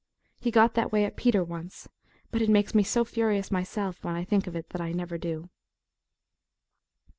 He got that way at Peter once but it makes me so furious myself when I think of it that I never do.